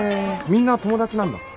みんな友達なんだ。